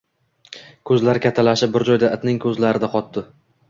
Ko‘zlari kattalashib bir joyda – itning ko‘zlarida qotdi